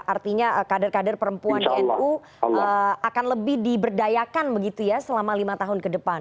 artinya kader kader perempuan di nu akan lebih diberdayakan begitu ya selama lima tahun ke depan